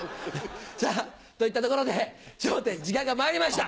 さぁといったところで『笑点』時間がまいりました。